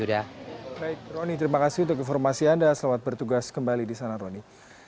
baik roni terima kasih untuk informasi anda selamat bertugas kembali di sana roni